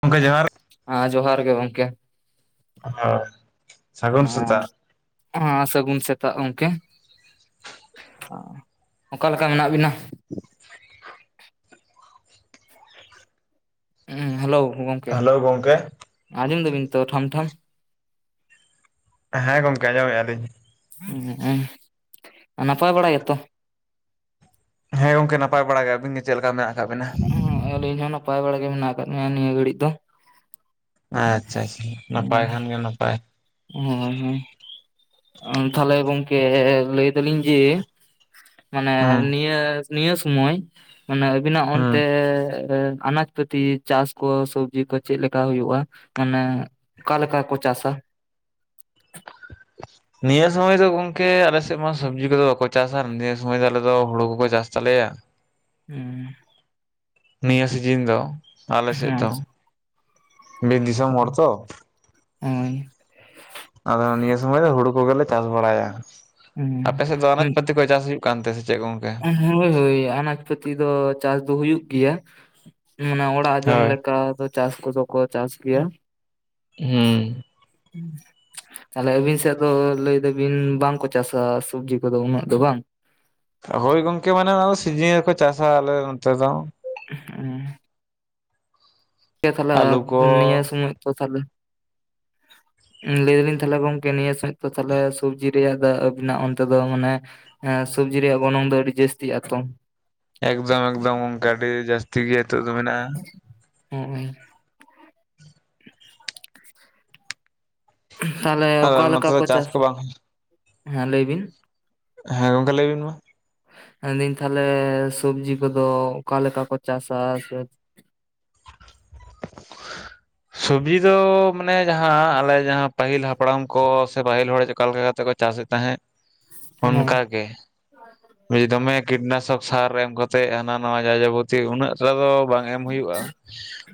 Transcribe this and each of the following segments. ᱜᱚᱝᱠᱮ ᱡᱚᱦᱟᱨ᱾ ᱦᱮᱸ ᱡᱚᱦᱟᱨ ᱜᱮ ᱜᱚᱝᱠᱮ᱾ ᱦᱳᱭ ᱥᱟᱹᱜᱩᱱ ᱥᱮᱛᱟᱜ᱾ ᱦᱮ ᱥᱟᱜᱩᱱ ᱥᱮᱛᱟᱜ ᱜᱚᱝᱠᱮ᱾ ᱚᱠᱟ ᱞᱮᱠᱟ ᱢᱮᱱᱟᱜ ᱵᱤᱱᱟ? ᱦᱮᱸ ᱦᱮᱞᱳ ᱜᱚᱝᱠᱮ ᱦᱮᱞᱳ ᱜᱚᱢᱠᱮ ᱟᱸᱡᱚᱢ ᱫᱟᱵᱤᱱ ᱛᱚ ᱴᱷᱟᱢ ᱴᱷᱟᱢ? ᱦᱮᱸ ᱜᱚᱝᱠᱮ ᱟᱸᱡᱚᱢ ᱮᱫ ᱟ ᱞᱤᱧ᱾ [unintelligible] ᱱᱟᱯᱟᱭ ᱵᱟᱲᱟ ᱜᱮ ᱛᱚ? ᱦᱮᱸ ᱜᱚᱝᱠᱮ ᱱᱟᱯᱟᱭ ᱵᱟᱲᱟ ᱜᱮ ᱟᱵᱤᱱ ᱜᱮ ᱪᱮᱫ ᱞᱮᱠᱟ ᱢᱮᱱᱟᱜ ᱟᱠᱟᱫ ᱵᱤᱱᱟ? ᱦᱮ ᱟᱹᱞᱤᱧ ᱦᱚᱸ ᱱᱟᱯᱟᱭ ᱵᱟᱲᱟ ᱜᱮ ᱢᱮᱱᱟᱜ ᱟᱠᱟᱫ ᱞᱤᱧᱟ ᱱᱤᱭᱟᱹ ᱜᱷᱟᱹᱲᱤᱡ ᱫᱚ᱾ ᱟᱪᱪᱷᱟ ᱟᱪᱪᱷᱟ ᱱᱟᱯᱟᱭ ᱠᱷᱟᱱ ᱜᱮ ᱱᱟᱯᱟᱭ᱾ ᱦᱚᱸ ᱦᱚᱸ ᱛᱟᱦᱞᱮ ᱜᱚᱝᱠᱮ ᱞᱟᱹᱭ ᱫᱟᱞᱤᱧ ᱡᱮ ᱢᱟᱱᱮ ᱦᱩᱸ ᱱᱤᱭᱟᱹ ᱱᱤᱭᱟᱹ ᱥᱩᱢᱳᱭ ᱢᱟᱱᱮ ᱟᱹᱵᱤᱱ-ᱟᱜ ᱚᱱᱛᱮ ᱦᱩᱸ ᱟᱱᱟᱡ ᱯᱟᱛᱤ ᱪᱟᱥ ᱠᱚ ᱥᱚᱵᱡᱤ ᱠᱚ ᱪᱮᱫ ᱞᱮᱠᱟ ᱦᱩᱭᱩᱜᱼᱟ, ᱢᱟᱱᱮ ᱚᱠᱟ ᱞᱮᱠᱟ ᱠᱚ ᱪᱟᱥ-ᱟ᱾ [unintelligible] ᱱᱤᱭᱟᱹ ᱥᱳᱢᱚᱭ ᱫᱚ ᱜᱚᱢᱠᱮ ᱟᱞᱮ ᱥᱮᱫ ᱢᱟ ᱥᱚᱵᱽᱡᱤ ᱠᱚ ᱫᱚ ᱵᱟᱠᱚ ᱪᱟᱥ-ᱟ ᱱᱤᱭᱟᱹ ᱥᱳᱢᱚᱭ ᱫᱚ ᱟᱞᱮ ᱫᱚ ᱦᱳᱲᱳ ᱠᱚ ᱠᱚ ᱪᱟᱥ ᱛᱟᱞᱮᱭᱟ᱾ [inaudible] ᱦᱮᱸ ᱱᱤᱭᱟᱹ ᱥᱤᱡᱤᱱ ᱫᱚ ᱟᱞᱮ ᱥᱮᱫ ᱫᱚ ᱵᱤᱨ ᱫᱤᱥᱚᱢ ᱦᱚᱲ ᱛᱚ, ᱩᱸ ᱟᱫᱚ ᱱᱤᱭᱟᱹ ᱥᱚᱢᱚᱭ ᱫᱚ ᱦᱩᱲᱩ ᱠᱚᱜᱮ ᱞᱮ ᱪᱟᱥ ᱵᱟᱲᱟᱭᱟ, ᱟᱯᱮ ᱦᱮᱸ ᱥᱮᱫ ᱫᱚ ᱟᱱᱟᱡ ᱦᱮᱸ, ᱯᱟᱹᱛᱤ ᱠᱚ ᱪᱟᱥ ᱦᱩᱭᱩᱜ ᱠᱟᱱᱛᱮ ᱥᱮ ᱪᱮᱫ ᱜᱚᱝᱠᱮ? ᱦᱳᱭ ᱦᱳᱭ ᱟᱱᱟᱡ ᱯᱟᱹᱛᱤ ᱫᱚ ᱪᱟᱥ ᱫᱚ ᱦᱩᱭᱩᱜ ᱜᱮᱭᱟ᱾ ᱢᱟᱱᱮ ᱚᱲᱟᱜ ᱡᱚᱢ ᱦᱳᱭ ᱞᱮᱠᱟ ᱪᱟᱥ ᱠᱚᱫᱚ ᱠᱚ ᱪᱟᱥ ᱜᱮᱭᱟ᱾ ᱦᱩᱸ [unintelligible] ᱛᱟᱦᱞᱮ ᱟᱹᱵᱤᱱ ᱥᱮᱫ ᱫᱚ ᱞᱟᱹᱭ ᱫᱟᱹᱵᱤᱱ ᱵᱟᱝ ᱠᱚ ᱪᱟᱥ ᱟ ᱥᱚᱵᱡᱤ ᱠᱚ ᱫᱚ ᱩᱱᱟᱹᱜ ᱫᱚ ᱵᱟᱝ? ᱦᱳᱭ ᱜᱚᱝᱠᱮ ᱢᱟᱱᱮ ᱥᱤᱡᱤᱱ ᱨᱮᱠᱚ ᱪᱟᱥᱟ ᱟᱞᱮ ᱱᱚᱱᱚᱛᱮ ᱫᱚ᱾ ᱦᱮᱸ ᱴᱷᱤᱠ ᱜᱮᱭᱟ ᱛᱟᱦᱚᱞᱮ ᱱᱤᱭᱟ ᱥᱚᱢᱚᱭ [unintelligible] ‍ ᱞᱟᱹᱭ ᱫᱟᱞᱤᱧ ᱛᱟᱦᱞᱮ ᱜᱚᱝᱠᱮ ᱱᱤᱭᱟᱹ ᱥᱟᱢᱚᱡ ᱫᱚ ᱛᱟᱦᱞᱮ ᱥᱚᱵᱡᱤ ᱨᱮᱭᱟᱜ ᱫᱚ ᱟᱹᱵᱤᱱᱟᱜ ᱚᱱᱛᱮ ᱫᱚ ᱢᱟᱱᱮ ᱦᱮᱸ ᱥᱚᱵᱡᱤ ᱨᱮᱭᱟᱜ ᱜᱚᱱᱚᱝ ᱫᱚ ᱟᱹᱰᱤ ᱡᱟᱹᱥᱛᱤᱜ ᱟᱛᱚ? ᱮᱠᱫᱚᱢ ᱮᱠᱫᱚᱢ ᱚᱱᱠᱟ ᱟᱹᱰᱤ ᱡᱟᱹᱥᱛᱤ ᱜᱮ ᱱᱤᱛᱚᱜ ᱫᱚ ᱢᱮᱱᱟᱜᱼᱟ᱾ ᱦᱚᱜ ᱚᱭ ᱛᱟᱦᱞᱮ ᱟᱫᱚ ᱚᱠᱟ ᱟᱞᱮ ᱞᱮᱠᱟ ᱱᱚᱛᱮ ᱫᱚ ᱠᱚ ᱪᱟᱥ ᱵᱟᱝ ᱦᱮᱸ ᱞᱟᱹᱭ ᱵᱤᱱ᱾ ᱦᱮᱸ ᱜᱚᱝᱠᱮ ᱞᱟᱹᱭ ᱵᱤᱱ ᱢᱟ ᱢᱮᱱᱫᱟᱹᱧ ᱛᱟᱦᱚᱞᱮ ᱥᱚᱵᱽᱡᱤ ᱠᱚᱫᱚ ᱚᱠᱟᱞᱮᱠᱟ ᱠᱚ ᱪᱟᱥᱟ ᱥᱮ ᱻ ᱥᱚᱵᱡᱤ ᱫᱚ ᱢᱟᱱᱮ ᱡᱟᱦᱟᱸ ᱟᱞᱮ ᱡᱟᱦᱟᱸ ᱯᱟᱹᱦᱤᱞ ᱦᱟᱯᱲᱟᱢ ᱠᱚ ᱥᱮ ᱯᱟᱹᱦᱤᱞ ᱦᱚᱲ ᱚᱠᱟᱞᱮ ᱞᱮᱠᱟ ᱠᱟᱛᱮ ᱠᱚ ᱪᱟᱥᱮᱫ ᱛᱟᱦᱮᱸᱫ ᱦᱳᱭ ᱚᱱᱠᱟ ᱜᱮ ᱫᱚᱢᱮ ᱠᱤᱴᱱᱟᱥᱚᱠ ᱥᱟᱨ ᱮᱢ ᱠᱟᱛᱮᱜ ᱦᱟᱱᱟ ᱱᱟᱣᱟ ᱡᱟ ᱡᱟᱵᱚᱛᱤ ᱩᱱᱟᱹᱜ ᱴᱟ ᱫᱚ ᱵᱟᱝ ᱮᱢ ᱦᱩᱭᱩᱜᱼᱟ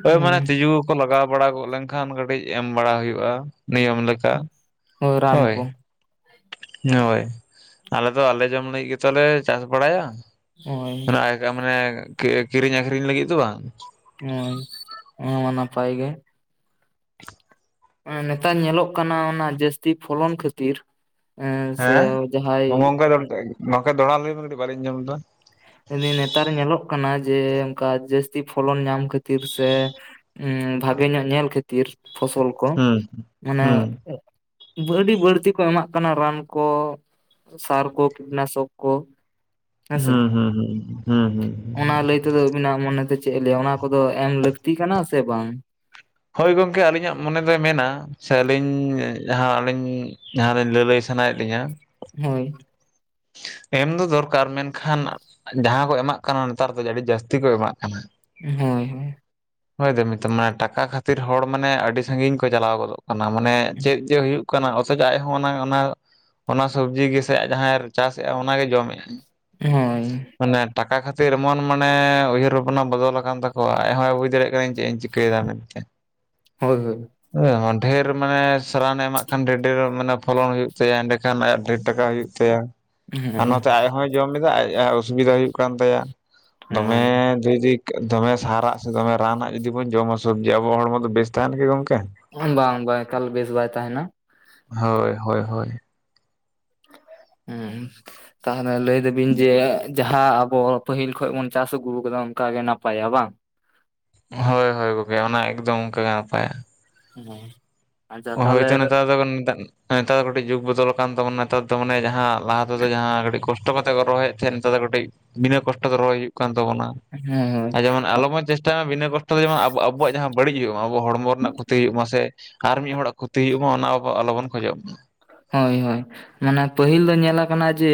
ᱦᱳᱭ ᱢᱟᱱᱮ ᱦᱩᱸ ᱛᱤᱡᱩ ᱠᱚ ᱞᱟᱜᱟᱣ ᱵᱟᱲᱟ ᱜᱚᱫ ᱞᱮᱱᱠᱷᱟᱱ ᱠᱟᱹᱴᱤᱡ ᱮᱢ ᱵᱟᱲᱟ ᱦᱩᱭᱩᱜᱼᱟ ᱱᱤᱭᱚᱢ ᱞᱮᱠᱟ ᱦᱳᱭ ᱨᱟᱢ ᱠᱚ ᱦᱳᱭ ᱟᱞᱮ ᱫᱚ ᱟᱞᱮ ᱡᱚᱢ ᱞᱟᱹᱜᱤᱫ ᱜᱮᱛᱚᱞᱮ ᱪᱟᱥ ᱵᱟᱲᱟᱭᱟ ᱦᱳᱭ ᱢᱟᱱᱮ ᱠᱤᱨᱤᱧ ᱟᱠᱷᱨᱤᱧ ᱞᱟᱹᱜᱤᱫ ᱫᱚ ᱵᱟᱝ ᱦᱚᱭ ᱚᱱᱟ ᱦᱚᱸ ᱱᱟᱯᱟᱭ ᱜᱮ ᱱᱮᱛᱟᱨ ᱧᱮᱞᱚᱜ ᱠᱟᱱᱟ ᱚᱱᱟ ᱡᱟᱹᱥᱛᱤ ᱯᱷᱚᱞᱚᱱ ᱠᱷᱟᱹᱛᱤᱨ ᱥᱮ ᱦᱮᱸ ᱡᱟᱦᱟᱸᱭ ᱚᱝᱠᱟ ᱱᱚᱠᱟᱱ ᱫᱚᱦᱲᱟ ᱞᱟᱹᱭ ᱵᱤᱱ ᱠᱟᱹᱴᱤᱡ ᱵᱟᱝ ᱞᱤᱧ ᱟᱡᱚᱢ ᱞᱮᱫᱟ ᱱᱮᱛᱟᱨ ᱧᱮᱞᱚᱜ ᱠᱟᱱᱟ ᱡᱮ ᱚᱱᱠᱟ ᱡᱟᱹᱥᱛᱤ ᱯᱷᱚᱞᱚᱱ ᱧᱟᱢ ᱠᱷᱟᱹᱛᱤᱨ ᱥᱮ ᱵᱷᱟᱜᱮ ᱧᱚᱜ ᱧᱮᱞ ᱠᱷᱟᱹᱛᱤᱨ ᱯᱷᱚᱥᱚᱞ ᱠᱚ ᱦᱩᱸ ᱢᱟᱱᱮ ᱦᱩᱸ ᱟᱹᱰᱤ ᱵᱟᱹᱲᱛᱤ ᱠᱚ ᱮᱢᱟᱜ ᱠᱟᱱᱟ ᱨᱟᱱ ᱠᱚ ᱥᱟᱨ ᱠᱚ ᱠᱤᱴᱱᱟᱥᱚᱠ ᱠᱚ ᱦᱮᱸᱥᱮ ᱦᱩᱸ ᱦᱩᱸ ᱦᱩᱸ ᱦᱸ ᱦᱩᱸ ᱦᱩᱸ ᱦᱩᱸ ᱚᱱᱟ ᱞᱟᱹᱭ ᱦᱩᱸ ᱛᱮᱫᱚ ᱟᱵᱤᱱᱟᱜ ᱢᱚᱱᱮᱛᱮ ᱪᱮᱫ ᱮ ᱞᱟᱹᱭᱟ ᱚᱱᱟ ᱠᱚᱫᱚ ᱮᱢ ᱞᱟᱹᱠᱛᱤ ᱠᱟᱱᱟ ᱥᱮ ᱵᱟᱝ ᱦᱳᱭ ᱜᱚᱢᱠᱮ ᱟᱹᱞᱤᱧᱟᱜ ᱢᱚᱱᱮ ᱫᱚᱭ ᱢᱮᱱᱟ ᱥᱮ ᱟᱹᱞᱤᱧ ᱡᱟᱦᱟᱸ ᱟᱹᱞᱤᱧ ᱡᱟᱦᱟᱸ ᱟᱞᱤᱧ ᱞᱟᱹᱞᱟᱹᱭ ᱥᱟᱱᱟᱭᱮᱫ ᱞᱤᱧᱟᱹ ᱦᱳᱭ ᱮᱢ ᱫᱚ ᱫᱚᱨᱠᱟᱨ ᱢᱮᱱᱠᱷᱟᱱ ᱡᱟᱦᱟᱸ ᱠᱚ ᱮᱢᱟᱜ ᱠᱟᱱᱟ ᱱᱮᱛᱟᱨ ᱫᱚ ᱟᱹᱰᱤ ᱡᱟᱹᱥᱛᱤ ᱠᱚ ᱮᱢᱟᱜ ᱠᱟᱱᱟ ᱦᱚᱭ ᱦᱚᱭ ᱦᱚᱭ ᱫᱚᱢᱤᱛᱚ ᱢᱟᱱᱮ ᱴᱟᱠᱟ ᱠᱷᱟᱹᱛᱤᱨ ᱦᱚᱲ ᱢᱟᱱᱮ ᱟᱹᱰᱤ ᱥᱟᱺᱜᱤᱧ ᱠᱚ ᱪᱟᱞᱟᱣ ᱜᱚᱫᱚᱜ ᱠᱟᱱᱟ ᱚᱱᱟ ᱢᱟᱱᱮ ᱪᱮᱫ ᱡᱮ ᱦᱩᱭᱩᱜ ᱠᱟᱱᱟ ᱚᱛᱷᱚᱡ ᱟᱡᱦᱚᱸ ᱚᱱᱟ ᱚᱱᱟ ᱚᱱᱟ ᱥᱚᱵᱡᱤ ᱜᱮᱥᱮ ᱟᱡ ᱡᱟᱦᱟᱸ ᱪᱟᱥᱮᱫᱼᱟ ᱚᱱᱟᱜᱮ ᱡᱚᱢᱮᱫᱼᱟ ᱦᱮᱸᱧ ᱢᱟᱱᱮ ᱴᱟᱠᱟ ᱠᱷᱟᱹᱛᱤᱨ ᱮᱢᱚᱱ ᱢᱟᱱᱮ ᱩᱭᱦᱟᱹᱨ ᱵᱷᱟᱵᱽᱚᱱᱟ ᱵᱚᱫᱚᱞ ᱟᱠᱟᱱ ᱛᱟᱠᱚᱣᱟ ᱟᱡᱦᱟᱭ ᱵᱩᱡ ᱫᱟᱲᱮᱭᱟᱜ ᱠᱟᱱᱟᱹᱧ ᱪᱮᱫ ᱤᱧ ᱪᱤᱠᱟᱭᱫᱟ ᱢᱮᱱᱛᱮ ᱦᱳᱭ ᱦᱳᱭ ᱦᱮᱸ ᱰᱷᱮᱨ ᱢᱟᱱᱮ ᱨᱟᱱᱮ ᱮᱢᱟᱜ ᱠᱷᱟᱱ ᱰᱷᱮᱨ ᱰᱷᱮᱨ ᱢᱟᱱᱮ ᱯᱷᱚᱞᱚᱱ ᱦᱩᱭᱩᱜ ᱛᱟᱭᱟ ᱮᱸᱰᱮᱠᱷᱟᱱ ᱟᱭᱟᱜ ᱰᱷᱮᱨ ᱴᱟᱠᱟ ᱦᱩᱭᱩᱜ ᱛᱟᱭᱟ ᱟᱨ ᱱᱚᱛᱮ ᱦᱩᱸ ᱟᱡ ᱦᱚᱸᱭ ᱡᱚᱢ ᱮᱫᱟ ᱟᱡ ᱚᱥᱩᱵᱤᱫᱟ ᱦᱩᱭᱩᱜ ᱠᱟᱱ ᱛᱟᱭᱟ ᱫᱚᱢᱮ ᱫᱷᱤᱨᱤ ᱫᱚᱢᱮ ᱥᱟᱨᱟᱜ ᱥᱮ ᱫᱚᱢᱮ ᱨᱟᱱᱟᱜ ᱡᱩᱫᱤ ᱵᱚᱱ ᱡᱚᱢᱟ ᱥᱚᱵᱡᱤ ᱟᱵᱚᱣᱟᱜ ᱦᱚᱲᱢᱚ ᱫᱚ ᱵᱮᱥ ᱛᱟᱦᱮᱱᱟ ᱠᱤ ᱜᱚᱝᱠᱮ ᱵᱟᱝ ᱵᱟᱝ ᱮᱠᱟᱞ ᱵᱮᱥ ᱵᱟᱭ ᱛᱟᱦᱮᱱᱟ ᱦᱳᱭ ᱦᱳᱭ ᱦᱳᱭ ᱦᱩᱸ ᱛᱟᱦᱚᱞᱮ ᱞᱟᱹᱭ ᱫᱚᱵᱤᱱ ᱵᱤᱱ ᱡᱮ ᱡᱟᱦᱟᱸ ᱟᱵᱚ ᱯᱟᱹᱦᱤᱞ ᱠᱷᱚᱱ ᱵᱚᱱ ᱪᱟᱥ ᱟᱹᱜᱩ ᱟᱠᱟᱫᱟ ᱚᱱᱠᱟ ᱜᱮ ᱱᱟᱯᱟᱭᱟ ᱵᱟᱝ ᱦᱳᱭ ᱦᱳᱭ ᱜᱚᱢᱠᱮ ᱚᱱᱟ ᱮᱠᱫᱚᱢ ᱚᱱᱠᱟ ᱜᱮᱮ ᱱᱟᱯᱟᱭᱟ ᱦᱮᱸ ᱟᱪᱪᱷᱟ ᱛᱟᱦᱚᱞᱮ ᱦᱳᱭᱛᱚ ᱱᱮᱛᱟᱨ ᱫᱚ ᱱᱮᱛᱟᱨ ᱫᱚ ᱠᱟᱹᱴᱤᱡ ᱡᱩᱜ ᱵᱚᱫᱚᱞ ᱟᱠᱟᱱ ᱛᱟᱵᱚᱱᱟ ᱱᱮᱛᱟᱨ ᱫᱚ ᱢᱟᱱᱮ ᱡᱟᱸᱦᱟᱸ ᱞᱟᱦᱟ ᱛᱮᱫᱚ ᱡᱟᱸᱦᱟᱸ ᱠᱟᱹᱴᱤᱡ ᱠᱚᱥᱴᱚ ᱠᱟᱛᱮᱜ ᱠᱚ ᱨᱚᱦᱚᱭᱮᱫ ᱛᱟᱦᱮᱸᱫ ᱱᱮᱛᱟᱨ ᱫᱚ ᱠᱟᱹᱴᱤᱡ ᱵᱤᱱᱟᱹ ᱠᱚᱥᱴᱚ ᱛᱮ ᱨᱚᱦᱚᱭ ᱦᱩᱭᱩᱜ ᱠᱟᱱ ᱛᱟᱵᱚᱱᱟ ᱦᱮᱸ ᱟᱨ ᱡᱮᱢᱚᱱ ᱟᱞᱚ ᱵᱚᱱ ᱪᱮᱥᱴᱟᱭ ᱢᱟ ᱵᱤᱱᱟᱹ ᱠᱚᱥᱴᱚ ᱛᱮ ᱡᱮᱢᱚᱱ ᱟᱵᱩ ᱟᱵ ᱟᱵᱚᱣᱟᱜ ᱡᱟᱸᱦᱟᱸ ᱵᱟᱹᱲᱤᱡ ᱦᱩᱭᱩᱜ ᱟᱵᱚᱣᱟᱜ ᱦᱚᱲᱢᱚ ᱨᱮᱱᱟᱜ ᱠᱷᱚᱛᱤ ᱢᱟᱥᱮ ᱟᱨ ᱢᱤᱫ ᱦᱚᱲᱟᱜ ᱠᱷᱚᱛᱤ ᱦᱩᱭᱩᱜ ᱢᱟ ᱚᱱᱟ ᱟᱵᱚ ᱟᱞᱚᱵᱚᱱ ᱠᱷᱚᱡᱚᱜ ᱢᱟ ᱦᱳᱭ ᱦᱳᱭ ᱢᱟᱱᱮ ᱯᱟᱹᱦᱤᱞ ᱫᱚ ᱧᱮᱞᱟ ᱠᱟᱱᱟ ᱡᱮ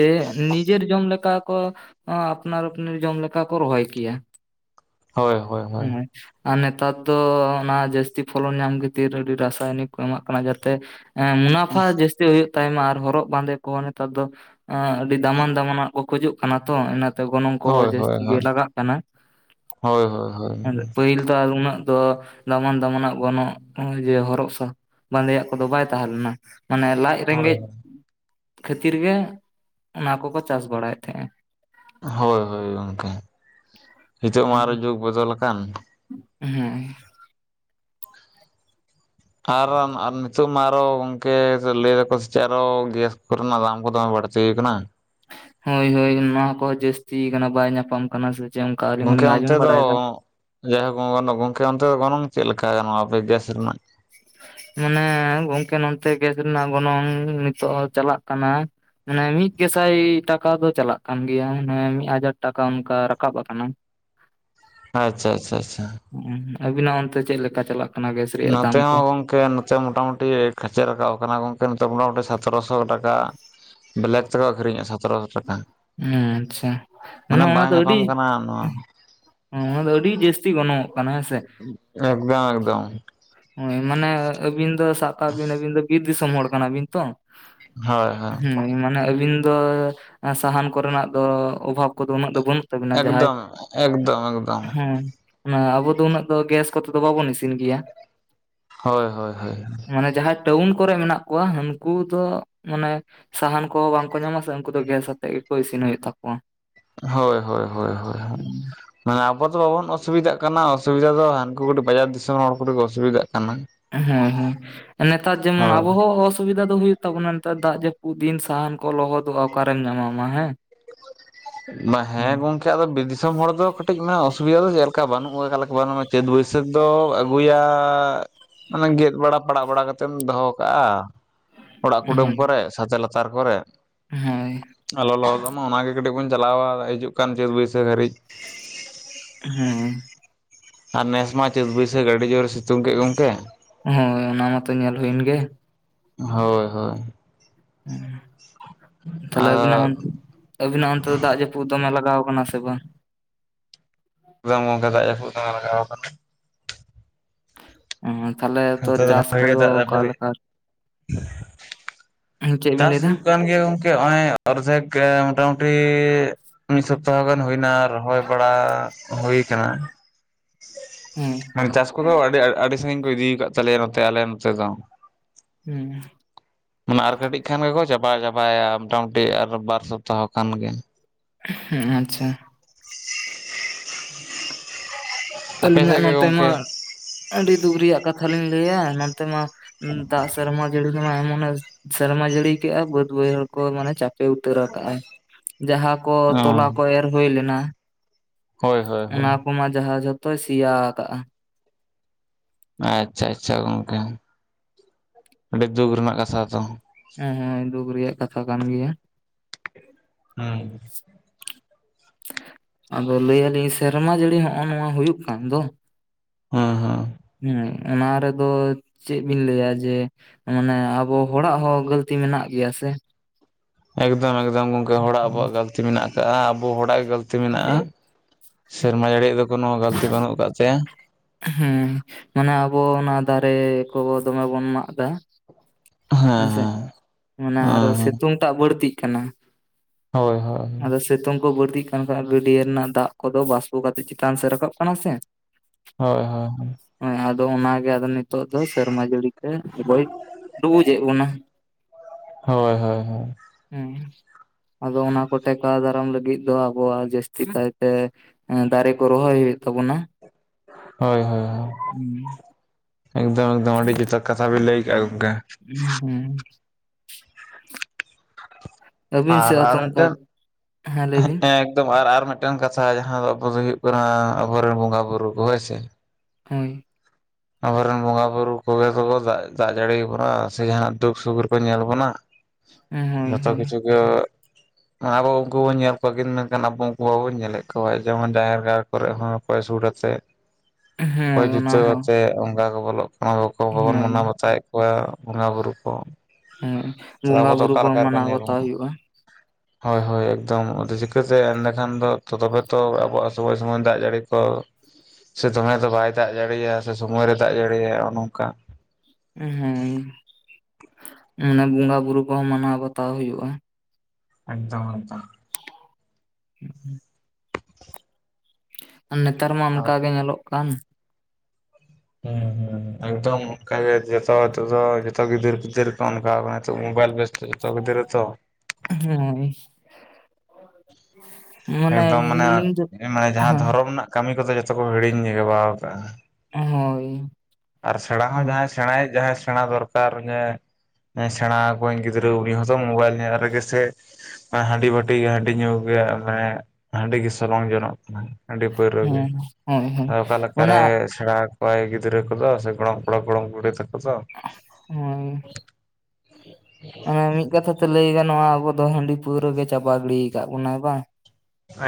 ᱱᱤᱡᱮᱨ ᱡᱚᱢ ᱞᱮᱠᱟ ᱠᱚ ᱟᱯᱱᱟᱨ ᱟᱯᱱᱤᱨ ᱡᱚᱢ ᱞᱮᱠᱟ ᱠᱚ ᱨᱚᱦᱚᱭ ᱠᱮᱭᱟ ᱦᱳᱭ ᱦᱳᱭ ᱦᱳᱭ ᱦᱩᱸ ᱟᱨ ᱱᱮᱛᱟᱨ ᱫᱚ ᱚᱱᱟ ᱡᱟᱹᱥᱛᱤ ᱯᱷᱚᱞᱚᱱ ᱧᱟᱢ ᱠᱷᱟᱹᱛᱤᱨ ᱟᱹᱰᱤ ᱨᱟᱥᱟᱭᱱᱤᱠ ᱠᱚ ᱮᱢᱟᱜ ᱠᱟᱱᱟ ᱡᱟᱛᱮ ᱮᱸ ᱢᱩᱱᱟᱯᱷᱟ ᱡᱟᱹᱥᱛᱤ ᱦᱩᱭᱩᱜ ᱛᱟᱭᱢᱟ ᱟᱨ ᱦᱚᱨᱚᱜ ᱵᱟᱸᱫᱮ ᱠᱚ ᱱᱮᱛᱟᱨ ᱫᱚ ᱮᱸ ᱟᱹᱰᱤ ᱫᱟᱢᱟᱱ ᱫᱟᱢᱟᱱᱟᱜ ᱠᱚ ᱠᱷᱚᱡᱚᱜ ᱠᱟᱱᱟ ᱛᱚ ᱮᱱᱟ ᱛᱮ ᱛᱚ ᱜᱚᱱᱚᱝ ᱠᱚᱦᱚᱸ ᱦᱳᱭ ᱦᱳᱭ ᱡᱟᱹᱥᱛᱤ ᱜᱮ ᱞᱟᱜᱟᱜ ᱠᱟᱱᱟ᱾ ᱦᱳᱭ ᱦᱳᱭ ᱦᱳᱭ᱾ ᱛᱟᱨ ᱩᱱᱟᱹᱜ ᱫᱚ ᱫᱟᱢᱟᱱ ᱫᱟᱢᱟᱱᱟᱜ ᱜᱚᱱᱚ ᱱᱚᱜᱼᱚᱭ ᱡᱮ ᱦᱚᱨᱚᱜᱥᱟ ᱵᱟᱸᱫᱮᱭᱟᱜ ᱠᱚᱫᱚ ᱵᱟᱭ ᱛᱟᱦᱮᱸ ᱞᱮᱱᱟ ᱢᱟᱱᱮ ᱞᱟᱡ ᱦᱳᱭ ᱦᱳᱭ ᱨᱮᱸᱜᱮᱡ ᱠᱷᱟᱹᱛᱤᱨ ᱜᱮ ᱚᱱᱟ ᱠᱚᱠᱚ ᱪᱟᱥ ᱵᱟᱲᱟᱭᱮᱫ ᱛᱟᱦᱮᱸᱜᱼᱟ᱾ ᱦᱳᱭ ᱦᱳᱭ ᱜᱚᱝᱠᱮ᱾ ᱱᱤᱛᱚᱜ ᱢᱟ ᱟᱨᱚ ᱡᱩᱜ ᱵᱚᱫᱚᱞ ᱟᱠᱟᱱ᱾ ᱦᱩᱸ ᱟᱨ ᱟᱨ ᱱᱤᱛᱚᱜ ᱢᱟ ᱟᱨᱚ ᱜᱚᱝᱠᱮ ᱞᱟᱹᱭ ᱫᱟᱠᱚ ᱥᱮ ᱪᱮᱫ ᱟᱨᱚ ᱜᱮᱥ ᱠᱚᱨᱮᱱᱟᱜ ᱫᱟᱢ ᱠᱚ ᱫᱚᱢᱮ ᱵᱟᱲᱛᱤᱭ ᱠᱟᱱᱟ᱾ ᱦᱳᱭ ᱦᱳᱭ ᱱᱚᱣᱟ ᱠᱚ ᱡᱟᱹᱥᱛᱤᱭ ᱠᱟᱱᱟ ᱵᱟᱭ ᱧᱟᱯᱟᱢ ᱠᱟᱱᱟ ᱥᱮ ᱪᱮ ᱚᱱᱠᱟ ᱟᱹᱞᱤᱧ ᱦᱚᱸᱞᱤᱧ ᱟᱸᱡᱚᱢ ᱵᱟᱲᱟᱭᱮᱫᱟ᱾ ᱞᱟᱹᱭᱟ ᱦᱚ ᱵᱟᱝ ᱜᱟᱱᱚᱜ ᱜᱚᱝᱠᱮ ᱚᱱᱛᱮ ᱫᱚ ᱜᱚᱱᱚᱝ ᱪᱮᱫ ᱞᱮᱠᱟ ᱱᱚᱣᱟ ᱟᱯᱮ ᱜᱮᱥ ᱨᱮᱱᱟᱜ? ᱢᱟᱱᱮ ᱜᱚᱝᱠᱮ ᱱᱚᱱᱛᱮ ᱜᱮᱥ ᱨᱮᱱᱟᱜ ᱜᱚᱱᱚᱝ ᱱᱤᱛᱚᱜ ᱦᱚᱸ ᱪᱟᱞᱟᱜ ᱠᱟᱱᱟ ᱢᱟᱱᱮ ᱢᱤᱫ ᱜᱮᱥᱟᱭ ᱴᱟᱠᱟ ᱫᱚ ᱪᱟᱞᱟᱜ ᱠᱟᱱ ᱜᱮᱭᱟ ᱢᱟᱱᱮ ᱢᱤᱫ ᱦᱟᱡᱟᱨ ᱴᱟᱠᱟ ᱚᱱᱠᱟ ᱨᱟᱠᱟᱵ ᱟᱠᱟᱱᱟ᱾ ᱟᱪᱪᱷᱟ ᱟᱪᱪᱷᱟ ᱟᱪᱪᱷᱟ᱾ ᱟᱵᱤᱱᱟᱜ ᱚᱱᱛᱮ ᱪᱮᱫ ᱞᱮᱠᱟ ᱪᱟᱞᱟᱜ ᱠᱟᱱᱟ ᱜᱮᱥ ᱨᱮᱭᱟᱜ ᱫᱟᱢ ᱱᱚᱛᱮ ᱠᱚ ᱦᱚᱸ ᱜᱚᱝ ᱠᱮ ᱱᱚᱛᱮ ᱢᱚᱴᱟᱢᱩᱴᱤ ᱠᱷᱟᱪᱮ ᱨᱟᱠᱟᱵ ᱟᱠᱟᱱᱟ ᱜᱚᱝᱠᱮ ᱱᱚᱛᱮ ᱢᱚᱴᱟᱢᱩᱴᱤ ᱥᱟᱛᱨᱚᱥᱚ ᱴᱟᱠᱟ᱾ ᱵᱞᱮᱠ ᱛᱮᱠᱚ ᱟᱠᱷᱨᱤᱧ ᱮᱜᱼᱟ ᱥᱟᱛᱨᱚ ᱦᱩᱸ ᱟᱪᱪᱷᱟ ᱢᱟᱱᱮ ᱚᱱᱟ ᱵᱟᱭ ᱫᱚ ᱟᱹᱰᱤ ᱧᱟᱯᱟᱢ ᱠᱟᱱᱟ ᱱᱚᱣᱟ ᱚᱱᱟ ᱫᱚ ᱟᱹᱰᱤ ᱡᱟᱹᱥᱛᱤ ᱜᱚᱱᱚᱝᱚᱜ ᱠᱟᱱᱟ᱾ ᱦᱮᱸᱥᱮ? ᱮᱠᱫᱚᱢ ᱮᱠᱫᱚᱢ᱾ ᱦᱳᱭ ᱢᱟᱱᱮ ᱟᱹᱵᱤᱱ ᱫᱚ ᱥᱟᱵ ᱠᱟᱜᱵᱤᱱ ᱟᱹᱵᱤᱱ ᱫᱚ ᱵᱤᱨ ᱫᱤᱥᱚᱢ ᱦᱚᱲ ᱠᱟᱱᱟᱵᱤᱱ ᱛᱚ᱾ ᱦᱚᱭ ᱦᱚᱭ᱾ ᱦᱳᱭ ᱢᱟᱱᱮ ᱟᱹᱵᱤᱱ ᱫᱚ ᱥᱟᱦᱟᱱ ᱠᱚᱨᱮᱱᱟᱜ ᱫᱚ ᱚᱵᱷᱟᱵ ᱠᱚᱫᱚ ᱩᱱᱟᱹᱜ ᱫᱚ ᱵᱟᱹᱱᱩᱜ ᱛᱟᱵᱤᱱᱟ ᱡᱟᱸᱦᱟᱸᱭ ᱮᱠᱫᱚᱢ ᱮᱠᱫᱚᱢ ᱮᱠᱫᱚᱢ ᱦᱩᱸ ᱚᱱᱟ ᱟᱵᱚ ᱫᱚ ᱩᱱᱟᱹᱜ ᱫᱚ ᱜᱮᱥ ᱠᱚᱛᱮ ᱫᱚ ᱵᱟᱵᱚᱱ ᱤᱥᱤᱱ ᱜᱮᱭᱟ᱾ ᱦᱳᱭ ᱦᱳᱭ ᱦᱳᱭ᱾ ᱢᱟᱱᱮ ᱡᱟᱸᱦᱟᱸᱭ ᱴᱟᱣᱩᱱ ᱠᱚᱨᱮ ᱢᱮᱱᱟᱜ ᱠᱚᱣᱟ ᱩᱱᱠᱩ ᱫᱚ ᱢᱟᱱᱮ ᱥᱟᱦᱟᱱ ᱠᱚᱦᱚᱸ ᱵᱟᱝᱠᱚ ᱧᱟᱢᱟ ᱥᱮ ᱩᱱᱠᱩ ᱫᱚ ᱜᱮᱥ ᱟᱛᱮᱜ ᱜᱮᱠᱚ ᱤᱥᱤᱱ ᱦᱩᱭᱩᱜ ᱛᱟᱠᱚᱣᱟ᱾ ᱦᱳᱭ ᱦᱳᱭ ᱦᱳᱭ ᱦᱳᱭ᱾ ᱦᱩᱸ ᱢᱟᱱᱮ ᱟᱵᱚ ᱫᱚ ᱵᱟᱵᱚᱱ ᱚᱥᱩᱵᱤᱫᱟᱜ ᱠᱟᱱᱟ ᱚᱥᱩᱵᱤᱫᱟ ᱫᱚ ᱦᱟᱱᱠᱩ ᱠᱟᱴᱤᱡ ᱵᱟᱡᱟᱨ ᱫᱤᱥᱚᱢ ᱦᱚᱲ ᱠᱚᱫᱚ ᱠᱚ ᱚᱥᱩᱵᱤᱫᱟᱜ ᱠᱟᱱᱟ᱾ ᱦᱩᱸ ᱦᱩᱸ ᱱᱮᱛᱟᱨ ᱡᱮᱢᱚᱱ ᱦᱳᱭ ᱟᱵᱚ ᱦᱚᱸ ᱚᱥ ᱥᱩᱵᱤᱫᱟ ᱫᱚ ᱦᱩᱭᱩᱜ ᱛᱟᱵᱚᱱᱟ ᱱᱮᱛᱟᱨ ᱫᱟᱜ ᱡᱟᱹᱯᱩᱫ ᱫᱤᱱ ᱥᱟᱦᱟᱱ ᱠᱚ ᱞᱚᱦᱚᱫᱚᱜᱼᱟ ᱚᱠᱟᱨᱮᱢ ᱧᱟᱢᱟ ᱢᱟ ᱦᱮᱸ᱾ ᱦᱩᱸ ᱦᱮᱸ ᱜᱚᱝᱠᱮ ᱠᱮ ᱟᱫᱚ ᱵᱤᱨ ᱫᱤᱥᱚᱢ ᱦᱚᱲ ᱫᱚ ᱠᱟᱹᱴᱤᱡ ᱢᱟᱱᱮ ᱚᱥᱚᱵᱤᱫᱟ ᱫᱚ ᱪᱮᱫ ᱞᱮᱠᱟ ᱵᱟᱱᱩᱜ ᱟᱠᱟᱫ ᱞᱮᱠᱟ ᱪᱟᱹᱛ ᱵᱟᱹᱭᱥᱟᱹᱠ ᱫᱚ ᱟᱹᱜᱩᱭᱟ ᱢᱟᱱᱮ ᱜᱮᱫ ᱵᱟᱲᱟ ᱯᱟᱲᱟᱜ ᱵᱟᱲᱟ ᱠᱟᱛᱮᱢ ᱫᱚᱦᱚ ᱠᱟᱜᱼᱟ᱾ ᱚᱲᱟᱜ ᱠᱩᱰᱟᱹᱢ ᱦᱮᱸ ᱠᱚᱨᱮ ᱥᱟᱛᱮ ᱞᱟᱛᱟᱨ ᱠᱚᱨᱮ ᱦᱳᱭ ᱟᱨ ᱞᱚᱞᱚ ᱞᱚᱞᱚ ᱢᱟ ᱚᱱᱟᱜᱤ ᱠᱟᱹᱴᱤᱡ ᱵᱚᱱ ᱪᱟᱞᱟᱣᱟ ᱦᱤᱡᱩᱜ ᱠᱟᱱ ᱪᱟᱹᱛ ᱵᱟᱹᱭᱥᱟᱹᱠᱷ ᱫᱷᱟᱹᱨᱤᱡ᱾ ᱦᱩᱸ ᱟᱨ ᱱᱮᱥ ᱢᱟ ᱪᱟᱹᱛ ᱵᱟᱹᱭᱥᱟᱹᱠᱷ ᱜᱟᱹᱰᱤ ᱡᱳᱨᱮ ᱥᱤᱛᱩᱝ ᱠᱮᱜ ᱜᱚᱝᱠᱮ᱾ ᱦᱳᱭ ᱚᱱᱟ ᱢᱟᱛᱚ ᱧᱮᱞ ᱦᱩᱭᱮᱱ ᱜᱮ᱾ ᱦᱳᱭ ᱦᱳᱭ᱾ ᱛᱟᱦᱞᱮ ᱟᱫᱚ ᱟᱹᱵᱤᱱᱟᱜ ᱟᱹᱵᱤᱱᱟᱜ ᱚᱱᱛᱮ ᱫᱚ ᱫᱟᱜ ᱡᱟᱹᱯᱩᱫ ᱫᱚᱢᱮ ᱞᱟᱜᱟᱣ ᱠᱟᱱᱟ ᱥᱮ ᱵᱟᱝ? ᱮᱠᱫᱚᱢ ᱚᱝᱠᱟ ᱫᱟᱜ ᱡᱟᱹᱯᱩᱫ ᱫᱚᱢᱮ ᱞᱟᱜᱟᱣ ᱟᱠᱟᱱᱟ᱾ ᱚ ᱛᱟᱦᱞᱮ ᱛᱚ ᱱᱚᱛᱮ ᱫᱚ ᱪᱟᱥ ᱵᱷᱟᱜᱮ ᱜᱮ ᱠᱚᱫᱚ ᱫᱟᱜ ᱡᱟᱹᱯᱩᱫ ᱚᱠᱟᱞᱮᱠᱟᱨ? [inaudible] ᱪᱮᱫ ᱵᱤᱱ ᱪᱟᱥ ᱞᱟᱹᱭ ᱮᱫᱟ? ᱦᱩᱭᱩᱜ ᱠᱟᱱ ᱜᱮᱭᱟ ᱜᱚᱝᱠᱮ ᱦᱚᱸᱚᱭ ᱚᱨᱫᱷᱮᱠ ᱢᱚᱴᱟᱢᱩᱴᱤ ᱢᱤᱫ ᱥᱚᱯᱛᱟᱦᱚ ᱛᱮᱢᱟ ᱵᱤᱱ ᱦᱩᱭᱱᱟ ᱨᱚᱦᱚᱭ ᱵᱟᱲᱟ ᱦᱩᱭ ᱠᱟᱱᱟ ᱦᱮᱸ ᱢᱟᱱᱮ ᱪᱟᱥ ᱠᱚᱫᱚ ᱟᱹᱰᱤ ᱟᱹᱰᱤ ᱥᱟᱺᱜᱤᱧ ᱠᱚ ᱤᱫᱤᱣᱠᱟᱜ ᱛᱟᱞᱮᱭᱟ ᱱᱚᱛᱮ ᱟᱞᱮ ᱱᱚᱛᱮ ᱫᱚ ᱦᱩᱸ ᱢᱟᱱᱮ ᱟᱨ ᱠᱟᱹᱴᱤᱡ ᱠᱷᱟᱱ ᱜᱮᱠᱚ ᱪᱟᱵᱟ ᱪᱟᱵᱟᱭᱟ ᱢᱚᱴᱟᱢᱩᱴᱤ ᱟᱨ ᱵᱟᱨ ᱥᱚᱯᱛᱟᱦᱚ ᱠᱷᱟᱱ ᱜᱮ ᱟᱪᱪᱷᱟ ᱟᱯᱮ ᱥᱮᱫ ᱟᱹᱞᱤᱧᱟᱜ ᱜᱮ ᱱᱚᱛᱮ ᱢᱟ ᱜᱚᱝᱠᱮ ᱟᱹᱰᱤ ᱫᱩᱠ ᱨᱮᱭᱟᱜ ᱠᱟᱛᱷᱟ ᱞᱤᱧ ᱞᱟᱹᱭᱟ ᱱᱚᱱᱛᱮ ᱢᱟ ᱫᱟᱜ ᱥᱮᱨᱢᱟ ᱡᱟᱹᱲᱤ ᱫᱚᱢᱟ ᱮᱢᱚᱱᱮ ᱥᱮᱨᱢᱟ ᱡᱟᱹᱲᱤ ᱠᱮᱜᱟ ᱵᱟᱹᱫᱽ ᱵᱟᱹᱭᱦᱟᱹᱲ ᱠᱚ ᱢᱟᱱᱮ ᱪᱟ ᱯᱮ ᱩᱛᱟᱹᱨᱟ ᱟᱠᱟᱜ ᱟᱭ ᱡᱟᱦᱟᱸ ᱠᱚ ᱚ ᱛᱚᱞᱟ ᱠᱚ ᱮᱨ ᱦᱩᱭ ᱞᱮᱱᱟ ᱦᱳᱭ ᱦᱳᱭ ᱚᱱᱟ ᱦᱳᱭ ᱠᱚᱢᱟ ᱡᱟᱦᱟ ᱡᱷᱚᱛᱚᱭ ᱥᱮᱭᱟ ᱟᱠᱟᱜ-ᱟ ᱟᱪᱪᱷᱟ ᱟᱪᱪᱷᱟ ᱜᱚᱝᱠᱮ ᱟᱹᱰᱤ ᱫᱩᱠ ᱨᱮᱱᱟᱜ ᱠᱟᱛᱷᱟ ᱛᱚ ᱦᱮᱸ ᱦᱮᱸ ᱫᱩᱠ ᱨᱮᱭᱟᱜ ᱠᱟᱛᱷᱟ ᱠᱟᱱ ᱜᱮᱭᱟ ᱦᱩᱸ ᱟᱫᱚ ᱞᱟᱹᱭᱟᱞᱤᱧ ᱥᱮᱨᱢᱟ ᱡᱟᱹᱲᱤ ᱦᱚᱸᱜ-ᱚ ᱱᱚᱣᱟ ᱦᱩᱭᱩᱜ ᱠᱟᱱ ᱫᱚ ᱦᱩᱸ ᱦᱩᱸ ᱦᱩᱸ ᱚᱱᱟ ᱨᱮᱫᱚ ᱪᱮᱫ ᱵᱤᱱ ᱞᱟᱹᱭᱟ ᱡᱮ ᱢᱟᱱᱮ ᱟᱵᱚ ᱦᱚᱲᱟᱜ ᱦᱚᱸ ᱜᱟᱹᱞᱛᱤ ᱢᱮᱱᱟᱜ ᱜᱮᱭᱟ ᱥᱮ ᱮᱠᱫᱚᱢ ᱮᱠᱫᱚᱢ ᱜᱚᱝᱠᱮ ᱦᱚᱲᱟᱜ ᱟᱵᱚᱣᱟᱜ ᱜᱟᱹᱞᱛᱤ ᱢᱮᱱᱟᱜ ᱟᱠᱟᱜ-ᱟ ᱟᱵᱚ ᱦᱚᱲᱟᱜ ᱜᱮ ᱜᱟᱹᱞᱛᱤ ᱢᱮᱱᱟᱜᱟ ᱥᱮᱨᱢᱟ ᱡᱟᱹᱲᱤᱭᱟ ᱫᱚ ᱠᱳᱱᱳ ᱜᱟᱹᱞᱛᱤ ᱵᱟᱹᱱᱩᱜ ᱟᱠᱟᱫ ᱛᱟᱭᱟ ᱦᱩᱸ ᱢᱟᱱᱮ ᱟᱵᱚ ᱚᱱᱟ ᱫᱟᱨᱮ ᱠᱚ ᱫᱚᱢᱮ ᱵᱚᱱ ᱢᱟᱜ ᱫᱟ ᱦᱮᱸ ᱦᱮᱸᱥᱮ ᱦᱮᱸ ᱚᱱᱟ ᱟᱨᱚ ᱦᱮᱸ ᱥᱤᱛᱩᱝᱴᱟᱜ ᱵᱟᱹᱲᱛᱤᱜ ᱠᱟᱱᱟ ᱦᱳᱭ ᱦᱳᱭ ᱟᱫᱚ ᱥᱮᱛᱳᱝ ᱠᱚ ᱵᱟᱹᱲᱛᱤ ᱮᱱᱠᱷᱟᱱ ᱜᱟᱹᱰᱭᱟᱹ ᱱᱟᱜ ᱫᱟᱜ ᱠᱚᱫᱚ ᱵᱟᱥᱯᱚ ᱠᱟᱛᱮ ᱪᱮᱛᱟᱱ ᱥᱮᱫ ᱨᱟᱠᱟᱵ ᱠᱟᱱᱟ ᱥᱮ ᱦᱳᱭ ᱦᱳᱭ ᱦᱳᱭ ᱚᱱᱮ ᱟᱫᱚ ᱚᱱᱟᱜᱮ ᱟᱫᱚ ᱱᱤᱛᱚᱜ ᱫᱚ ᱥᱮᱨᱢᱟ ᱡᱟᱹᱲᱤᱛᱮ ᱟᱵᱚᱭ ᱰᱩᱵᱩᱡᱮᱜ ᱵᱚᱱᱟ ᱦᱳᱭ ᱦᱳᱭ ᱦᱳᱭ ᱦᱩᱸ ᱟᱫᱚ ᱚᱱᱟ ᱠᱚ ᱴᱮᱠᱟᱣ ᱫᱟᱨᱟᱢ ᱞᱟᱹᱜᱤᱫ ᱫᱚ ᱟᱵᱚᱣᱟᱜ ᱡᱟᱹᱥᱛᱤ ᱠᱟᱭᱛᱮ ᱫᱟᱨᱮ ᱠᱚ ᱨᱚᱦᱚᱭ ᱦᱩᱭᱩᱜ ᱛᱟᱵᱚᱱᱟ ᱦᱳᱭ ᱦᱳᱭ ᱦᱳᱭ ᱮᱠᱫᱚᱢ ᱮᱠᱫᱚᱢ ᱟᱹᱰᱤ ᱡᱛᱦᱟᱛ ᱠᱟᱛᱷᱟ ᱵᱤᱱ ᱞᱟᱹᱭ ᱠᱮᱜ-ᱟ ᱜᱚᱝᱜᱮ ᱩᱸ ᱦᱩᱸ ᱟᱹᱵᱤᱱ ᱟᱨ ᱥᱮᱫ ᱦᱚᱸᱛᱚ ᱟᱨ ᱚᱱᱠᱟ ᱢᱮᱴᱮᱱ ᱦᱮᱸ ᱞᱟᱹᱭ ᱵᱤᱱ [unintelligible] ᱚ ᱟᱨ ᱟᱨ ᱢᱮᱴᱟᱝ ᱠᱟᱛᱷᱟ ᱡᱟᱦᱟᱸ ᱫᱚ ᱟᱵᱚ ᱫᱚ ᱦᱩᱭᱩᱜ ᱠᱟᱱᱟ ᱟᱵᱚᱨᱮᱱ ᱵᱚᱸᱜᱟ ᱵᱳᱩᱨᱩ ᱠᱚ ᱦᱳᱭ ᱥᱮ ᱦᱳᱭ ᱟᱵᱚᱨᱮᱱ ᱵᱚᱸᱜᱟ ᱵᱩᱨᱩ ᱠᱚᱜᱮ ᱛᱚᱠᱚ ᱫᱟᱜ ᱡᱟᱹᱲᱤ ᱭᱟᱵᱚᱱᱟ ᱥᱮ ᱡᱟᱦᱟᱱᱟᱜ ᱫᱩᱠ ᱥᱩᱠ ᱨᱮ ᱠᱚ ᱧᱮᱞ ᱵᱚᱱᱟ ᱦᱳᱭ ᱡᱷᱚᱛᱚ ᱦᱳᱭ ᱠᱤᱪᱷᱩ ᱜᱮ ᱟᱵᱚ ᱩᱱᱠᱩ ᱵᱚᱱ ᱧᱮᱞ ᱠᱚᱠᱤᱱ ᱢᱮᱱᱠᱷᱟᱱ ᱟᱵᱚ ᱩᱱᱠᱩ ᱵᱟᱵᱚᱱ ᱧᱮᱞᱮᱫ ᱠᱚᱣᱟ ᱡᱮᱢᱚᱱ ᱡᱟᱦᱮᱨ ᱜᱟᱲ ᱠᱚᱨᱮᱜ ᱦᱚᱸ ᱚᱠᱚᱭ ᱥᱩᱴ ᱟᱛᱮᱫ ᱚᱠᱚ ᱦᱳᱭ ᱚᱱᱟ ᱡᱩᱛᱟᱹᱣ ᱦᱚᱸ ᱟᱛᱮ ᱚᱝᱠᱟ ᱠᱚ ᱵᱚᱞᱚᱜ ᱠᱟᱱᱟ ᱵᱟᱵᱚᱱ ᱦᱳᱭ ᱢᱟᱱᱟᱣ ᱵᱟᱛᱟᱣᱮᱫ ᱠᱚᱣᱟ ᱠᱚᱣᱟ ᱵᱚᱸᱜᱟ ᱵᱩᱨᱩ ᱠᱚ ᱦᱮᱸ ᱛᱟᱦᱚᱞᱮ ᱵᱚᱸᱜᱟ ᱟᱵᱚ ᱫᱚ ᱵᱩᱨᱩ ᱚᱠᱟ ᱠᱚ ᱞᱮᱠᱟ ᱨᱮᱠᱚ ᱢᱟᱱᱟᱣ ᱧᱮᱞ ᱵᱟᱛᱟᱣ ᱵᱚᱱᱟ ᱦᱩᱭᱩᱜᱼᱟ᱾ [inaudible] ᱦᱳᱭ ᱦᱳᱭ ᱮᱠᱫᱚᱢ ᱟᱹᱰᱤ ᱪᱤᱠᱟᱹᱛᱮ ᱮᱸᱰᱮᱠᱷᱟᱱ ᱫᱚ ᱛᱚᱵᱮ ᱛᱚ ᱟᱵᱚᱣᱟᱜ ᱥᱚᱢᱚᱭ ᱥᱚᱢᱚᱭ ᱫᱟᱜ ᱡᱟᱹᱲᱤ ᱠᱚ᱾ ᱥᱮ ᱫᱚᱢᱮ ᱫᱚ ᱵᱟᱭ ᱫᱟᱜ ᱡᱟᱲᱟᱹᱲᱤᱭᱟ ᱥᱮ ᱥᱚᱢᱚᱭ ᱨᱮ ᱫᱟᱜ ᱡᱟᱲᱤᱭᱟ ᱚᱱᱚᱝᱠᱟ᱾ ᱦᱩᱸ ᱚᱱᱟ ᱵᱚᱸᱜᱟ ᱵᱩᱨᱩ ᱠᱚᱦᱚᱸ ᱢᱟᱱᱟᱣ ᱵᱟᱛᱟᱣ ᱦᱩᱭᱩᱜᱼᱟ᱾ ᱮᱠᱫᱚᱢ ᱮᱠᱫᱚᱢ᱾ ᱦᱮᱸ᱾ ᱱᱮᱛᱟᱨ ᱢᱟ ᱟᱨ ᱚᱱᱠᱟ ᱜᱮ ᱧᱮᱞᱚᱜ ᱠᱟᱱ᱾ ᱦᱮᱸ ᱦᱮᱸ᱾ ᱮᱠᱫᱚᱢ ᱱᱚᱝᱠᱟᱜᱮ ᱡᱚᱛᱚ ᱛᱮᱫᱚ ᱡᱚᱛᱚ ᱜᱤᱫᱟᱹᱨᱯᱤᱫᱟᱹᱨ ᱚᱱᱠᱟᱣ ᱠᱟᱱᱟ ᱱᱤᱛᱚᱜ ᱢᱳᱵᱟᱤᱞ ᱵᱮᱥᱛᱚ᱾ [unintelligible] [inaudible] ᱮᱠᱫᱚᱢ ᱢᱟᱱᱮ ᱢᱟ ᱮ ᱡᱟᱦᱟᱸ ᱦᱮᱸ ᱫᱷᱚᱨᱚᱢ ᱨᱮᱱᱟᱜ ᱠᱟᱹᱢᱤ ᱠᱚᱫᱚ ᱡᱚᱛᱚ ᱠᱚ ᱦᱤᱲᱤᱧ ᱜᱟᱵᱟᱣ ᱟᱠᱟᱜ-ᱟ᱾ ᱮᱸᱦᱳᱭ᱾ ᱟᱨ ᱥᱮᱬᱟ ᱦᱚᱸ ᱡᱟᱦᱟᱸᱭ ᱥᱮᱬᱟᱭ ᱡᱟᱦᱟᱸᱭ ᱥᱮᱬᱟ ᱫᱚᱨᱠᱟᱨ ᱜᱮᱸ᱾ ᱮᱸ ᱥᱮᱬᱟ ᱣᱟᱠᱚᱣᱟᱹᱧ ᱜᱤᱫᱽᱨᱟᱹ ᱩᱱᱤ ᱦᱚᱸᱛᱚ ᱢᱳᱵᱟᱭᱤᱞ ᱧᱮᱞ ᱠᱟᱛᱮ ᱜᱮᱥᱮ ᱦᱟᱺᱰᱤ ᱵᱟᱹᱴᱤ ᱜᱮ ᱦᱟᱺᱰᱤ ᱧᱩ ᱜᱮ ᱢᱮ ᱦᱟᱺᱰᱤ ᱜᱮ ᱥᱚᱞᱚᱝ ᱡᱚᱱᱚᱜ ᱦᱟᱹᱰᱤ ᱯᱟᱹᱣᱨᱟᱹ ᱜᱮ ᱦᱮᱸ ᱦᱳᱭ ᱟ ᱦᱳᱭ ᱚᱠᱟ ᱚᱱᱟ ᱞᱮᱠᱟᱨᱮ ᱥᱮᱬᱟ ᱚᱸᱠᱚᱭ ᱜᱤᱫᱽᱨᱟᱹ ᱠᱚᱫᱚ ᱥᱮ ᱜᱚᱲᱚᱢ ᱠᱚᱲᱟ ᱜᱚᱲᱚᱢ ᱠᱩᱲᱤ ᱛᱟᱠᱚ ᱫᱚ ᱦᱳᱸᱭ᱾ ᱚᱧᱮ ᱢᱤᱫ ᱠᱟᱛᱷᱟ ᱛᱮ ᱞᱟᱹᱭ ᱜᱟᱱᱚᱜᱼᱟ ᱟᱵᱚ ᱫᱚ ᱦᱟᱺᱰᱤ ᱯᱟᱹᱣᱨᱟᱹ ᱜᱮ ᱪᱟᱵᱟ ᱜᱤᱲᱤ ᱠᱟᱫ ᱵᱚᱱᱟᱭ ᱵᱟᱝ!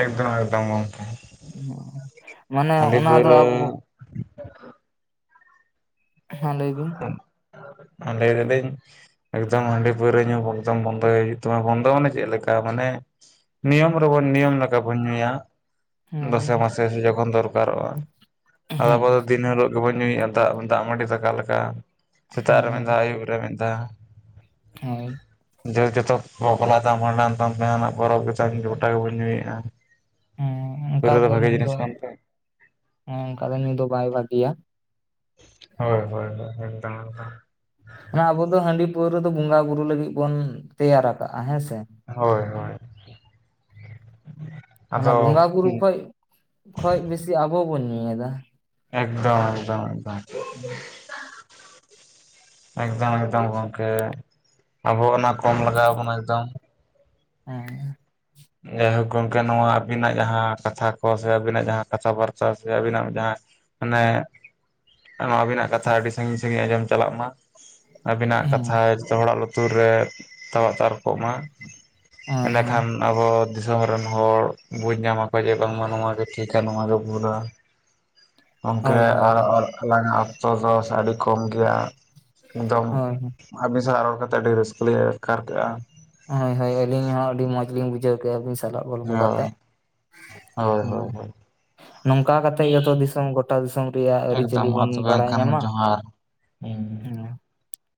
ᱮᱠᱫᱚᱢ ᱮᱠᱫᱚᱢ ᱜᱮ ᱾ ᱦᱩᱸ ᱩᱸ ᱢᱟᱱᱮ ᱚᱱᱟ ᱫᱚ ᱟᱵᱚ ᱦᱮᱸ ᱞᱟᱹᱭ ᱵᱤᱱ᱾ [unintelligible] ᱞᱟᱹᱭ ᱫᱟᱞᱤᱧ᱾ ᱮᱠᱫᱚᱢ ᱦᱟᱺᱰᱤ ᱯᱟᱹᱣᱨᱟᱹ ᱧᱩ ᱮᱠᱫᱚᱢ ᱵᱚᱱᱫᱚᱭ ᱦᱩᱭᱩᱜ ᱛᱟᱢᱟ ᱵᱚᱱᱫᱚ ᱢᱟᱱᱮ ᱪᱮᱫᱞᱮᱠᱟ ᱢᱟᱱᱮ- -ᱱᱤᱭᱚᱢ ᱨᱮᱵᱚᱱ ᱱᱤᱭᱚᱢ ᱞᱮᱠᱟᱵᱚᱱ ᱧᱩᱭᱟ᱾ ᱫᱚᱥᱮ ᱦᱮᱸ ᱢᱟᱥᱮ ᱡᱚᱠᱷᱚᱱ ᱫᱚᱨᱠᱟᱨᱚᱜᱼᱟ ᱦᱮᱸ ᱟᱵᱚ ᱫᱤᱱ ᱦᱤᱞᱳᱜ- ᱜᱮᱵᱚᱱ ᱧᱩᱭᱮᱜᱼᱟ ᱫᱟᱜ ᱫᱟᱜ ᱢᱟᱹᱰᱤ ᱫᱟᱠᱟ ᱞᱮᱠᱟ ᱥᱮᱛᱟᱜ ᱨᱮ ᱢᱤᱫᱷᱟᱣ ᱦᱮᱸ ᱟᱭᱩᱵ ᱨᱮ ᱢᱤᱫ ᱫᱷᱟᱣ᱾ ᱦᱳᱸᱭ᱾ ᱡ ᱡᱚᱛᱚ ᱵᱟᱯᱞᱟ ᱛᱟᱢ ᱵᱷᱟᱸᱰᱟᱱ ᱛᱟᱢ ᱡᱟᱦᱟᱱᱟᱜ ᱯᱚᱨᱚᱵᱽ ᱜᱮᱛᱟᱢ [inaudible] ᱜᱚᱴᱟ ᱜᱮᱵᱚᱱ ᱧᱩᱭᱮᱫᱼᱟ᱾ ᱦᱮᱸ ᱚᱱᱠᱟ ᱯᱟᱹᱨᱟᱹ ᱫᱚ ᱵᱷᱟᱜᱮ ᱧᱩ ᱡᱤᱱᱤᱥ ᱠᱟᱱ ᱛᱮ ᱦᱮᱸ ᱚᱱᱠᱟ ᱫᱚ ᱧᱩ ᱫᱚ ᱵᱟᱭ ᱵᱟᱜᱤᱭᱟ᱾ ᱦᱳᱭ ᱦᱳᱭ ᱦᱳᱭ ᱮᱠᱫᱚᱢᱮᱠᱫᱚᱢ [inaudible] ᱚᱱᱟ ᱟᱵᱚ ᱫᱚ ᱦᱟᱺᱰᱤ ᱯᱟᱹᱣᱨᱟᱹ ᱫᱚ ᱵᱚᱸᱜᱟ ᱵᱩᱨᱩ ᱞᱟᱹᱜᱤᱫ ᱵᱚᱱ ᱛᱮᱭᱟᱨ ᱟᱠᱟᱜ-ᱟ ᱦᱮᱸᱥᱮ᱾ ᱦᱳᱭ ᱦᱳᱭ᱾ ᱚᱱᱟ ᱟᱫᱚ ᱵᱚᱸᱜᱟ ᱵᱩᱨᱩ ᱠᱷᱚᱡ ᱠᱷᱚᱡ ᱵᱮᱥᱤ ᱟᱵᱚ ᱵᱚᱱ ᱧᱩᱭᱮᱫᱟ᱾ ᱮᱠᱫᱚᱢ ᱮᱠᱫᱚᱢ ᱮᱠᱫᱚᱢ᱾ ᱮᱠᱫᱚᱢ ᱮᱠᱫᱚᱢ ᱜᱚᱢᱠᱮ ᱟᱵᱚ ᱚᱱᱟ ᱠᱚᱢ ᱞᱟᱜᱟᱣ ᱟᱵᱚᱱᱟ ᱮᱠᱫᱚᱢ᱾ ᱦᱩᱸ᱾ ᱡᱟᱭᱦᱳᱠ ᱜᱚᱢᱠᱮ ᱱᱚᱣᱟ ᱟᱹᱵᱤᱱᱟᱜ ᱡᱟᱦᱟᱸ ᱠᱟᱛᱷᱟ ᱠᱚ ᱥᱮ ᱟᱹᱵᱤᱱᱟᱜ ᱡᱟᱦᱟᱸ ᱠᱟᱛᱷᱟ ᱵᱟᱨᱛᱟ ᱥᱮ ᱟᱹᱵᱤᱱᱟᱜ ᱡᱟᱦᱟᱸ ᱢᱟᱱᱮ ᱱᱚᱣᱟ ᱟᱹᱵᱤᱱᱟᱜ ᱠᱟᱛᱷᱟ ᱟᱹᱰᱤ ᱥᱟᱺᱜᱤᱧ ᱥᱟᱺᱜᱤᱧ ᱟᱸᱡᱚᱢ ᱪᱟᱞᱟᱜ ᱢᱟ᱾ ᱟᱵᱤᱱᱟᱜ ᱠᱟᱛᱷᱟ ᱦᱮᱸ ᱡᱚᱛᱚ ᱦᱚᱲᱟᱜ ᱞᱩᱛᱩᱨ ᱨᱮ ᱛᱟᱣᱟᱜ ᱛᱟᱨᱠᱳᱜ ᱢᱟ᱾ ᱦᱳᱭ ᱦᱳᱭ ᱮᱸᱰᱮᱠᱷᱟᱱ ᱟᱵᱚ ᱫᱤᱥᱚᱢ ᱨᱮᱱ ᱦᱚᱲ ᱵᱩᱡᱽ ᱧᱟᱢᱟᱠᱚ ᱡᱮ ᱵᱟᱝᱢᱟ ᱱᱚᱣᱟ ᱜᱮ ᱴᱷᱤᱠ᱾ ᱱᱚᱣᱟ ᱜᱮ ᱵᱷᱩᱞᱟ᱾ ᱜᱚᱝᱠᱮ ᱦᱳᱭ ᱟᱨ ᱟᱨ ᱟᱞᱟᱝᱟᱜ ᱛᱚ ᱫᱚᱥ ᱟᱹᱰᱤ ᱠᱚᱢ ᱜᱮᱭᱟ ᱮᱠᱫᱚᱢ᱾ ᱦᱳᱭ ᱦᱳᱭ ᱟᱹᱵᱤᱱ ᱥᱟᱶ ᱨᱚᱲ ᱠᱟᱛᱮ ᱟᱹᱰᱤ ᱨᱟᱹᱥᱠᱟᱹ ᱞᱤᱧ ᱟᱴᱠᱟᱨ ᱠᱮᱜᱼᱟ᱾ ᱦᱳᱭ ᱦᱳᱭ ᱟᱹᱞᱤᱧ ᱦᱚᱸ ᱟᱹᱰᱤ ᱢᱚᱸᱡᱽ ᱞᱤᱧ ᱵᱩᱡᱷᱟᱹᱣ ᱠᱮᱜᱼᱟ ᱟᱹᱵᱤᱱ ᱥᱟᱞᱟᱜ ᱜᱚᱞᱯᱚ ᱦᱳᱭ ᱠᱟᱛᱮᱜ᱾ ᱦᱳᱭ ᱦᱮᱸ ᱦᱳᱭ ᱦᱳᱭ᱾ ᱱᱚᱝᱠᱟ ᱠᱟᱛᱮᱜ ᱜᱮᱛᱚ ᱫᱤᱥᱚᱢ ᱜᱚᱴᱟ ᱫᱤᱥᱚᱢ ᱨᱮᱭᱟᱜ ᱟᱹᱨᱤ ᱮᱠᱫᱚᱢ ᱪᱟᱹᱞᱤ ᱢᱟ ᱵᱚᱱ ᱛᱚᱵᱮ ᱵᱟᱲᱟᱭ ᱮᱱᱠᱷᱟᱱ ᱧᱟᱢᱟ᱾ ᱡᱚᱦᱟᱨ ᱦᱩᱸ᱾ ᱦᱮᱸ